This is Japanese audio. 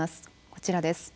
こちらです。